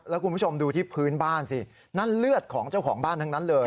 แล้วคุณผู้ชมดูที่พื้นบ้านสินั่นเลือดของเจ้าของบ้านทั้งนั้นเลย